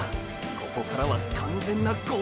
ここからは完全なゴール争いになる！！